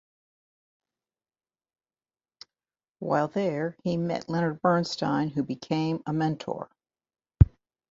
While there, he met Leonard Bernstein, who became a mentor.